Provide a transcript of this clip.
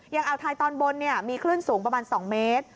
อ่าวไทยตอนบนมีคลื่นสูงประมาณ๒เมตร